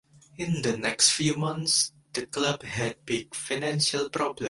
In the next few months the club had big financial problems.